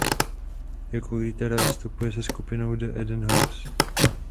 Jako kytarista vystupuje se skupinou The Eden House.